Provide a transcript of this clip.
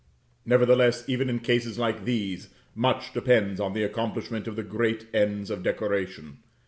Nevertheless, even in cases like these, much depends on the accomplishment of the great ends of decoration.